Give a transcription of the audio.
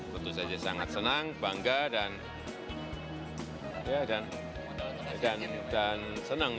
tentu saja sangat senang bangga dan senang